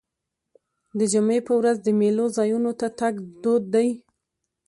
د جمعې په ورځ د میلو ځایونو ته تګ دود دی.